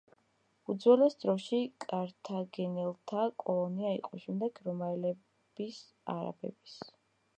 უძველეს დროში კართაგენელთა კოლონია იყო, შემდეგ რომაელების, არაბების.